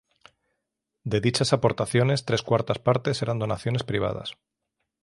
De dichas aportaciones, tres cuartas partes eran donaciones privadas.